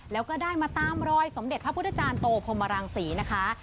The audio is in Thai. แล้วก็ได้มาตามรอยสมเด็จพระพุทธจารย์โตพรมรังศรีนะคะ